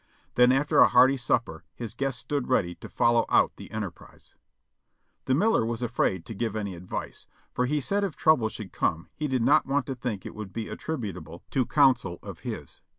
Then after a hearty supper his guest stood ready to follow out the enterprise. The miller was afraid to give any advice, for he said if trouble should come he did not want to think it would be attributable to CROSSING THE POTOMAC OX A RAFT 469 counsel of his.